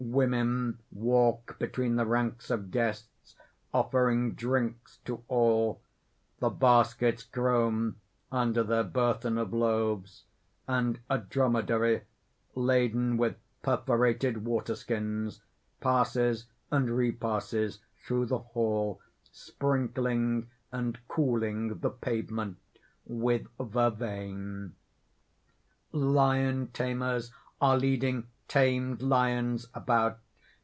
Women walk between the ranks of guests, offering drinks to all; the baskets groan under their burthen of loaves; and a dromedary, laden with perforated water skins: passes and repasses through the hall, sprinkling and cooling the pavement with vervain._ _Lion tamers are leading tamed lions about.